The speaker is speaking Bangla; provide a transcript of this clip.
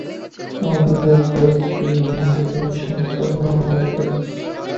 অবিবাহিতকে হিন্দুরা অসম্পূর্ণ মনে করে।